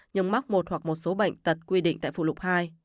nhưng mắc một hoặc một số bệnh tật quy định tại phụ lục hai